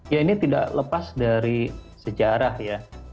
ya ini tidak lepas dari sejarah ya